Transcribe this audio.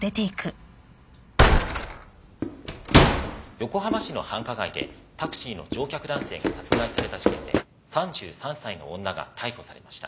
横浜市の繁華街でタクシーの乗客男性が殺害された事件で３３歳の女が逮捕されました。